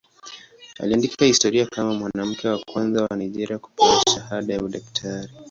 Aliandika historia kama mwanamke wa kwanza wa Nigeria kupewa shahada ya udaktari.